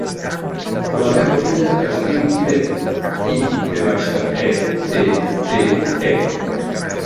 La meva filla es diu Ivette: i, ve baixa, e, te, te, e.